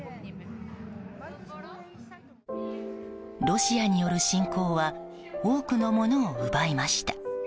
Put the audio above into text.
ロシアによる侵攻は多くのものを奪いました。